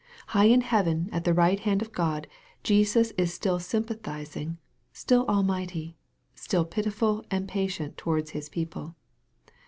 High in heaven at the right hand of God, Jesus is still sympathizing. still almighty still pitiful and patient towards His people.